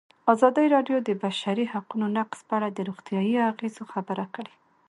ازادي راډیو د د بشري حقونو نقض په اړه د روغتیایي اغېزو خبره کړې.